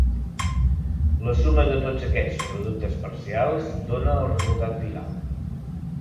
La suma de tots aquests productes parcials dóna el resultat final.